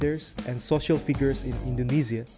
pemimpin bisnis dan figur sosial di indonesia